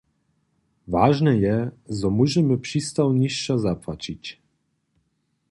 Wažne je, zo móžemy přistawnišćo zapłaćić.